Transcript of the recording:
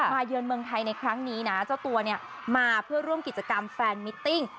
เยือนเมืองไทยในครั้งนี้นะเจ้าตัวเนี่ยมาเพื่อร่วมกิจกรรมแฟนมิตติ้ง